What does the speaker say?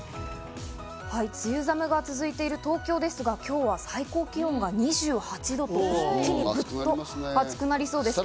梅雨寒が続いている東京ですが、今日は最高気温が２８度と一気にグッと暑くなりそうです。